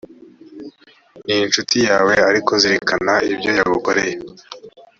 n incuti yawe ariko zirikana ibyo yagukoreye